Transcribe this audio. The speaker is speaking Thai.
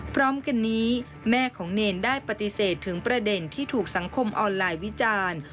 พร้อมกันนี้แม่ของเนรได้ปฏิเสธถึงประเด็นที่ถูกสังคมออนไลน์วิจารณ์